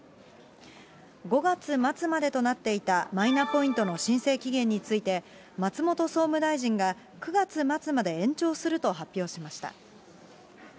５月末までとなっていたマイナポイントの申請期限について、松本総務大臣が９月末まで延長すると発表しました。